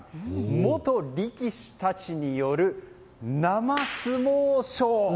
元力士たちによる生相撲ショー！